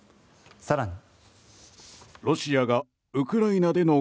更に。